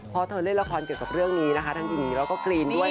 เพราะเธอเล่นละครเกี่ยวกับเรื่องนี้นะคะทั้งหญิงแล้วก็กรีนด้วย